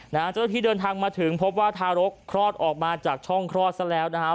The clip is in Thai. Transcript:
เจ้าหน้าที่เดินทางมาถึงพบว่าทารกคลอดออกมาจากช่องคลอดซะแล้วนะครับ